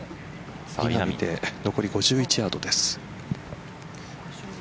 残り５１ヤードです。